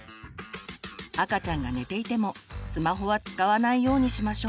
赤ちゃんが寝ていてもスマホは使わないようにしましょう。